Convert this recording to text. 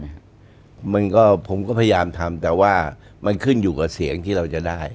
มันก็ผมก็พยายามทำแต่ว่ามันขึ้นอยู่กับเสียงที่เราจะได้